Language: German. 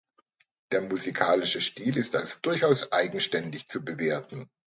Der musikalische Stil ist als durchaus eigenständig zu bewerten.